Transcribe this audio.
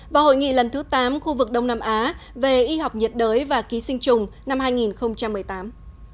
và hội nghị lần thứ tám khu vực đông nam á về y học nhiệt đới và ký sinh trùng năm hai nghìn một mươi tám